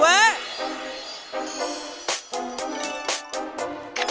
เว้ย